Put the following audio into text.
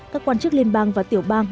các quan chức liên bang và tiểu bang